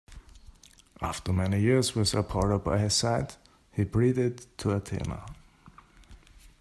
After many years, with Apollo by his side, he pleaded to Athena.